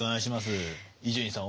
伊集院さん